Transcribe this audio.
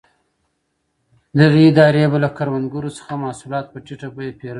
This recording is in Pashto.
دغې ادارې به له کروندګرو څخه محصولات په ټیټه بیه پېرل.